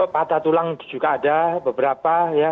patah tulang juga ada beberapa ya